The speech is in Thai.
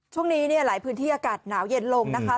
ช่วงนี้เนี่ยหลายพื้นที่อากาศหนาวเย็นลงนะคะ